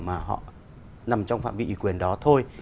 mà họ nằm trong phạm vi ủy quyền đó thôi